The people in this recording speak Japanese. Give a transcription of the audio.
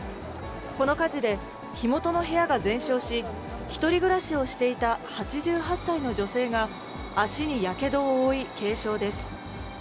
この火事で火元の部屋が全焼し、１人暮らしをしていた８８歳の女性が、足にやけどを負い、軽傷です。